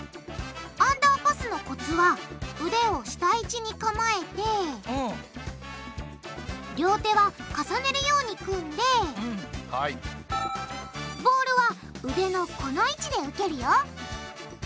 アンダーパスのコツは腕を下位置に構えて両手は重ねるように組んでボールは腕のこの位置で受けるよ。